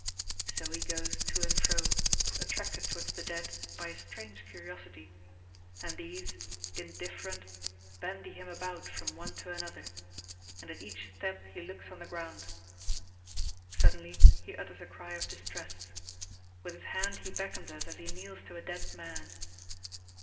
So he goes to and fro, attracted towards the dead by a strange curiosity; and these, indifferent, bandy him about from one to another, and at each step he looks on the ground. Suddenly he utters a cry of distress. With his hand he beckons us as he kneels to a dead man.